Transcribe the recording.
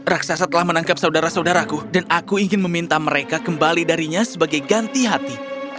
raksasa telah menangkap saudara saudaraku dan aku ingin meminta mereka kembali darinya sebagai ganti hati